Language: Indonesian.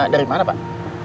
dari mana pak